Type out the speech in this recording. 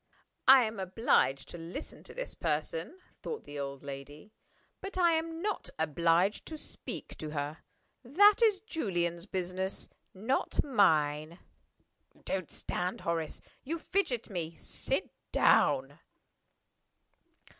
"I am obliged to listen to this person," thought the old lady. "But I am not obliged to speak to her. That is Julian's business not mine. Don't stand, Horace! You fidget me. Sit down."